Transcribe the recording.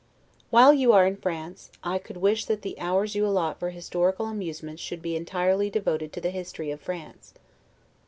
While you are in France, I could wish that the hours you allot for historical amusement should be entirely devoted to the history of France.